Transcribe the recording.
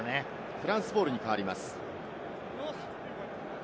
フランスボールに変わります。